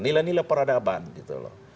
nilai nilai peradaban gitu loh